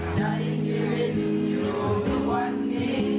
ใช้ชีวิตอยู่ทุกวันนี้